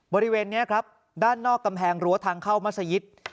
บริเวณนี้ครับด้านนอกกำแพงรั้วทางเข้ามัศยิต